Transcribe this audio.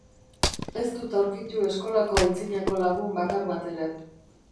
Ez dut aurkitu eskolako antzinako lagun bakar bat ere.